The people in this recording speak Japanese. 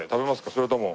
それとも。